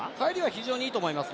非常にいいと思います。